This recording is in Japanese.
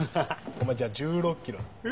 お前じゃあ１６ｋｍな。